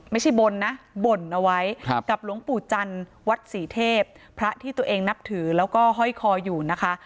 ไม่ใช่บ่นนะบ่นเอาไว้กับหลวงปู่จันทร์วัดศรีเทพพระที่ตัวเองนับถือแล้วก็ห้อยคออยู่นะคะ